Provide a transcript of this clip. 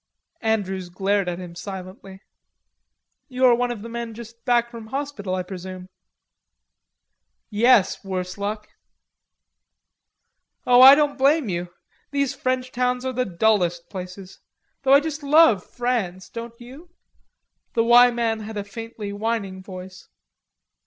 Andrews glared at him silently. "You are one of the men just back from hospital, I presume." "Yes, worse luck." "Oh, I don't blame you. These French towns are the dullest places; though I just love France, don't you?" The "Y" man had a faintly whining voice.